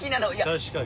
確かに。